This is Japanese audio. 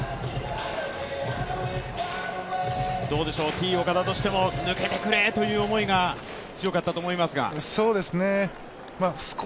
Ｔ−岡田としても、抜けてくれという思いが強かったと思いますが。